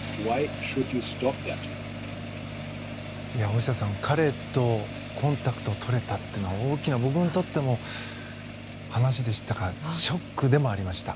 大下さん、彼とコンタクトを取れたというのは僕にとっても大きな話でしたがショックでもありました。